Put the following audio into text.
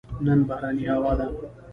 نن بارانې هوا ده